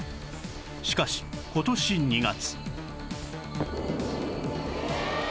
しかし今年２月